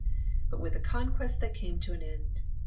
But with the Conquest that came to an end.